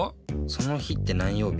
その日って何曜日？